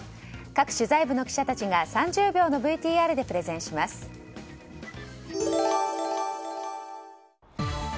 各取材部の記者たちが３０秒のＶＴＲでプレゼンします。